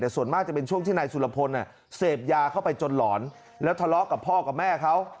แต่ส่วนมากจะเป็นช่วงที่นายสุรพลเสพยาเข้าไปจนหลอนแล้วทะเลาะกับพ่อกับแม่เขา